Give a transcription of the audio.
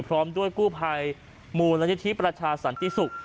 พร้อมด้วยกู้ไพ่มูลณิธิประชาศัตริย์ยิสุฯ